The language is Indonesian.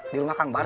di rumah kang bar